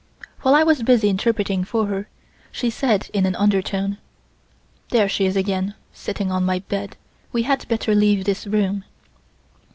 While I was busy interpreting for her, she said in an undertone: "There she is again, sitting on my bed. We had better leave this room."